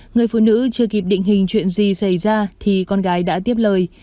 người phụ nữ chưa kịp định hình chuyện gì xảy ra thì con gái đã tiếp lời